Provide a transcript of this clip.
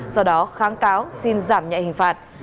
do đó kháng cáo xin giảm nhạy hình phạt